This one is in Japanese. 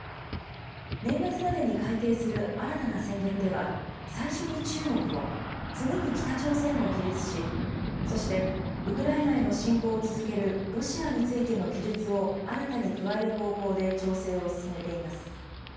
年末までに改定する新たな戦略では、最初に中国を、次に北朝鮮を記述し、そして、ウクライナへの侵攻を続けるロシアについての記述を新たに加える方向で調整を進めています。